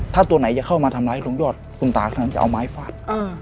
ถ้าตัวไหนจะเข้ามาทำร้ายลุงยอดคุณตากำลังจะเอาไม้ฟาด